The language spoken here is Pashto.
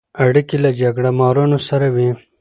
اړیکې له جګړه مارانو سره وې.